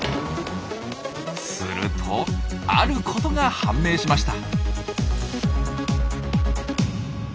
するとある事が判明しました。